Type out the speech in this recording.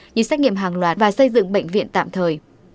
như xét nghiệm hàng loạt và xây dựng bệnh viện tạm thời